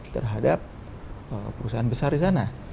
terhadap perusahaan besar di sana